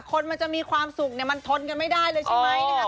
คนมันจะมีความสุขมันทนกันไม่ได้เลยใช่ไหมนะคะ